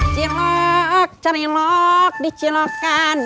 cilok cari lok dicilokan